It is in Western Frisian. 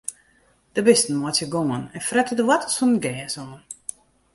De bisten meitsje gongen en frette de woartels fan it gers oan.